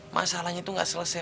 masalahnya tuh gak selesai